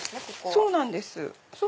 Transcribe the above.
そうなんです。